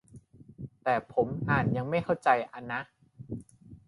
แต่ผมอ่านยังไม่เข้าใจอ่ะนะ